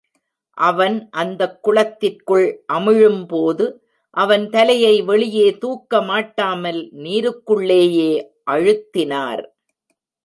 அவன் அந்தக் குளத்திற்குள் அமிழும்போது அவன் தலையை வெளியே தூக்க மாட்டாமல் நீருக்குள்ளேயே அழுத்தினார்.